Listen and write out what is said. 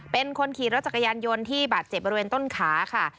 เป็นคนขี่รถจักรยานยนต์ที่บาดเจ็บบริเวณต้นขาค่ะ